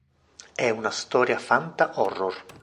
È una storia fanta-horror.